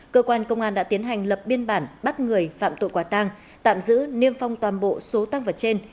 cơ quan công an đã tiến hành lập biên bản bắt người phạm tội quả tang tạm giữ niêm phong toàn bộ số tăng vật trên